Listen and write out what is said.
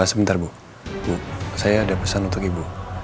sebentar bu saya ada pesan untuk ibu